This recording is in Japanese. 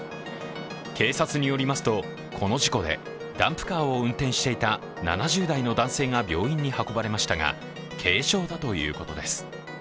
警察によりますと、この事故でダンプカーを運転していた７０代の男性が病院に運ばれましたが軽傷だということです。